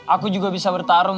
aku juga bisa bertarung